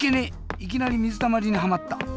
いきなりみずたまりにはまった。